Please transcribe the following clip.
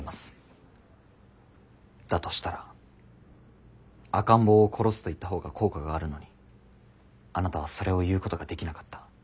だとしたら「赤ん坊を殺す」と言ったほうが効果があるのにあなたはそれを言うことができなかった。